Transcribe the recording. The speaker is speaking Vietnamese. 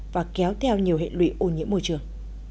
và kéo theo nhiều hệ lụy ô nhiễm môi trường